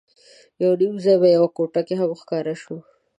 یو نیم ځای به یوه کوټه هم ښکاره شوه.